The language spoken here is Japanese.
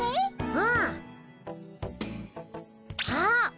うん。あっ！